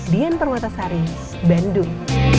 dian permatasari bandung